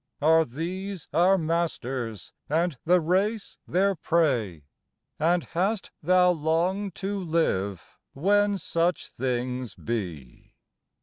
Are these our masters and the race their prey, And hast thou long to live when such things be?